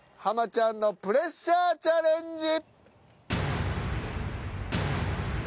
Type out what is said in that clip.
ちゃんのプレッシャーチャレンジ。